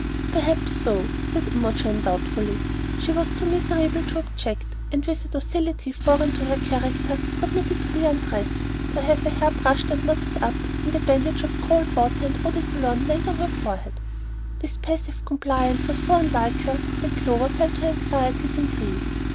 "Perhaps so," said Imogen, doubtfully. She was too miserable to object, and with a docility foreign to her character submitted to be undressed, to have her hair brushed and knotted up, and a bandage of cold water and eau de cologne laid on her forehead. This passive compliance was so unlike her that Clover felt her anxieties increase.